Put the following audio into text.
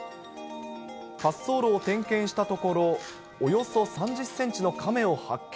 滑走路を点検したところ、およそ３０センチのカメを発見。